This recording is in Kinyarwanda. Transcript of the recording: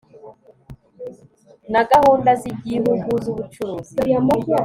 na gahunda z igihugu z ubucuruzi